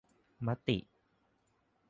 มติ